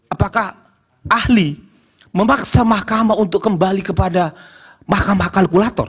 apakah ahli memaksa mahkamah untuk kembali kepada mahkamah kalkulator